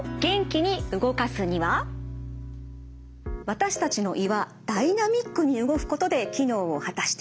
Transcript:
私たちの胃はダイナミックに動くことで機能を果たしています。